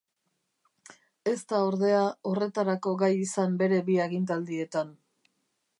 Ez da, ordea, horretarako gai izan bere bi agintaldietan.